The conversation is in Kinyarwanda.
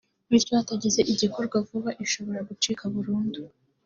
bityo hatagize igikorwa vuba ishobora gucika burundu